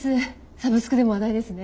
サブスクでも話題ですね。